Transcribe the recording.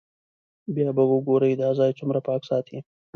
بیا به وګورئ دا ځای څومره پاک ساتي.